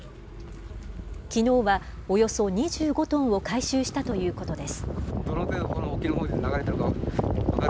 きのうは、およそ２５トンを回収したということです。